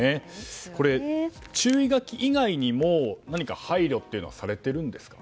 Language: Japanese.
これ、注意書き以外にも何か配慮はされてるんですか？